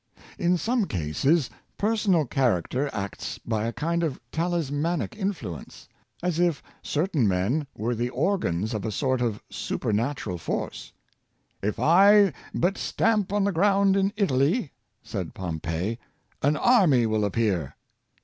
In some cases, personal character acts by a kind of talismanic influence, as if certain men were the organs of a sort of supernatural force. " If I but stamp on the ground in Italy," said Pompey, " an army will ap pear."